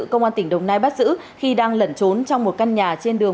công an tỉnh đồng nai bắt giữ khi đang lẩn trốn trong một căn nhà trên đường